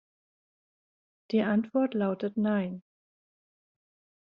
Die Antwort lautet nein!